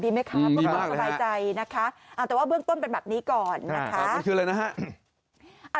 ดีไหมคะบางคนก็บายใจนะคะแต่ว่าเบื้องต้นเป็นแบบนี้ก่อนนะคะคืออะไรนะฮะ